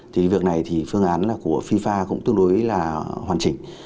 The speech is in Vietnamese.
thì việc này thì phương án là của fifa cũng tương đối là hoàn chỉnh